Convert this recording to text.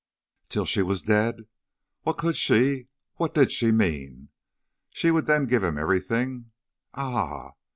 "'Till she was dead!' What could she, what did she mean? She would then give him everything! Ah!